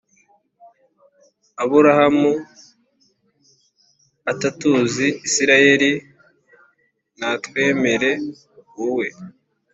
Aburahamu atatuzi isirayeli ntatwemere wowe